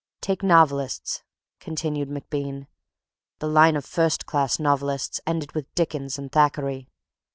"Take novelists," continued MacBean. "The line of first class novelists ended with Dickens and Thackeray.